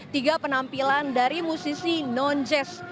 tiga penampilan dari musisi non jazz